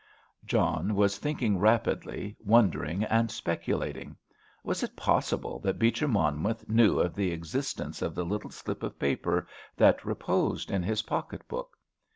John was thinking rapidly, wondering and speculating. Was it possible that Beecher Monmouth knew of the existence of the little slip of paper that reposed in his pocket book?